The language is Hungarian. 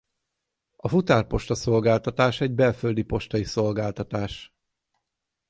A futárposta-szolgáltatás egy belföldi postai szolgáltatás.